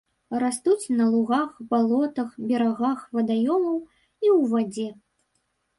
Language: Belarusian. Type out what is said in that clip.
Растуць на лугах, балотах, берагах вадаёмаў і ў вадзе.